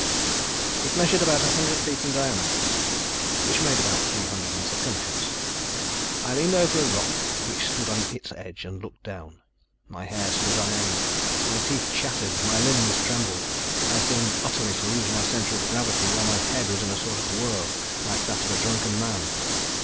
It measured about a hundred feet in diameter, which made about three hundred in circumference. I leaned over a rock which stood on its edge, and looked down. My hair stood on end, my teeth chattered, my limbs trembled. I seemed utterly to lose my centre of gravity, while my head was in a sort of whirl, like that of a drunken man.